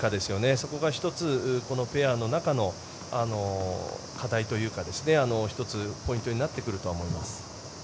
そこが１つこのペアの中の課題というか１つ、ポイントになってくると思います。